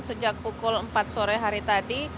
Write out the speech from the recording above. sejak pukul empat sore hari tadi